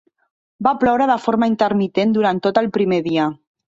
Va ploure de forma intermitent durant tot el primer dia.